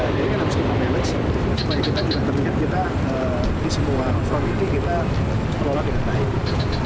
jadi kan harus kita manage supaya kita tidak terlihat kita di semua form ini kita terolah dengan baik